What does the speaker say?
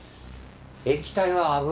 液体は油。